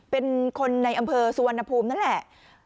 เป็นคนในอำเภอสุวรรณภูมินั่นแหละ